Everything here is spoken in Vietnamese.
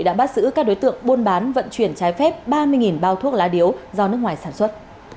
đã bắt giữ các đối tượng buôn bán vận chuyển trái phép ba mươi bao thuốc lá điếu do nước ngoài sản xuất